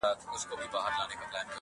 ما دی درکړی خپل زړه تاته امانت شېرينې_